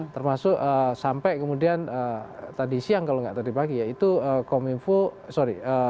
termasuk sampai kemudian tadi siang kalau nggak tadi pagi ya itu kominfo sorry